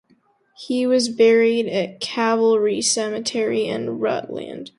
He was buried at Calvary Cemetery in Rutland.